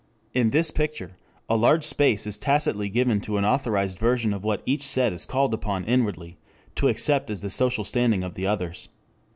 In this picture a large space is tacitly given to an authorized version of what each set is called upon inwardly to accept as the social standing of the others.